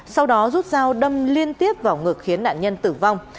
sau đó rút dao đâm liên tiếp vào ngực khiến nạn nhân tử vong